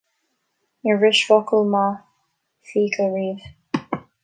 Níor bhris focal maith fiacail riamh